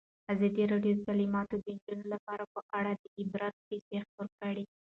ازادي راډیو د تعلیمات د نجونو لپاره په اړه د عبرت کیسې خبر کړي.